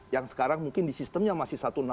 yang sekarang mungkin di sistemnya masih belum ada